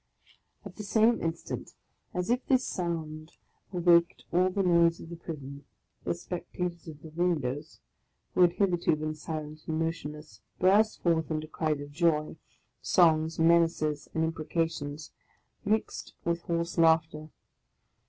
At the same instant, as if this sound awaked all the noise of the prison, the spectators of the windows, who had hitherto been silent and motionless, burst forth into cries of joy, songs, menaces, and imprecations, mixed with hoarse laughter.